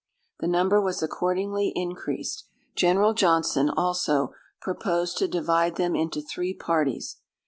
The number was accordingly increased. General Johnson, also, proposed to divide them into three parties.